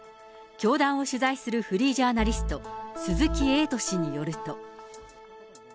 教団を取材するフリージャーナリスト、鈴木エイト氏によると。